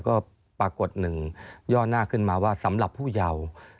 ก็ปรากฏหนึ่งย่อหน้าขึ้นมาว่าสำหรับผู้เยาว์